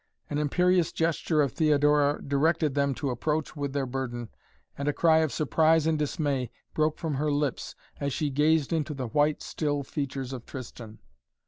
An imperious gesture of Theodora directed them to approach with their burden, and a cry of surprise and dismay broke from her lips as she gazed into the white, still features of Tristan.